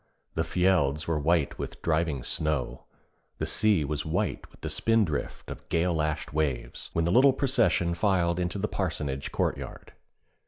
The fjelds were white with driving snow, the sea was white with the spindrift of gale lashed waves, when the little procession filed into the parsonage courtyard.